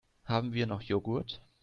Haben wir noch Joghurt?